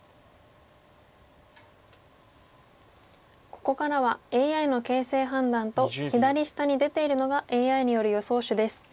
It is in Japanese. ここからはＡＩの形勢判断と左下に出ているのがＡＩによる予想手です。